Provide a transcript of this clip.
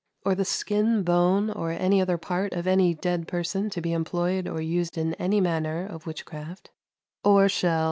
or the skin, bone, or any other part of any dead person to be employed or used in any manner of witchcraft, ... or shall